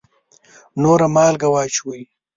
نوره مالګه واچوئ